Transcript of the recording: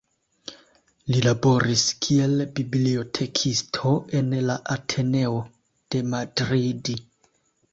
Li laboris kiel bibliotekisto en la Ateneo de Madrid.